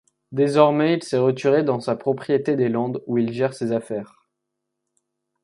Désormais, il s'est retiré dans sa propriété des Landes où il gère ses affaires.